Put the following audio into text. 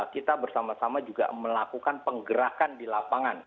kita bersama sama juga melakukan penggerakan di lapangan